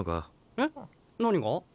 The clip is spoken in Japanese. えっ？何が？